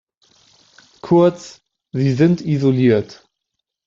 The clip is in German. Kurz, sie sind isoliert.